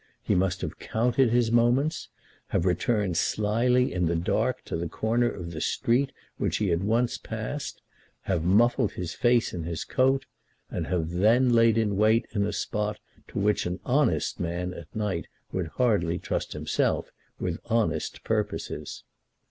He must have counted his moments; have returned slyly in the dark to the corner of the street which he had once passed; have muffled his face in his coat; and have then laid wait in a spot to which an honest man at night would hardly trust himself with honest purposes.